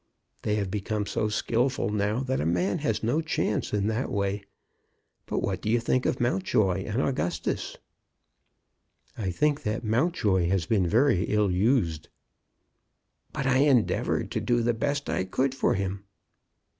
They have become so skilful now that a man has no chance in that way. But what do you think of Mountjoy and Augustus?" "I think that Mountjoy has been very ill used." "But I endeavored to do the best I could for him."